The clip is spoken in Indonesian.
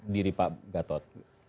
di pak gatot